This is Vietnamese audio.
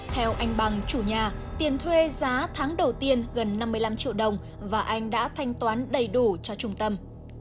theo anh bằng chủ nhà tiền thuê giá tháng đầu tiên gần năm mươi năm triệu đồng và anh đã thanh toán đầy đủ cho trung tâm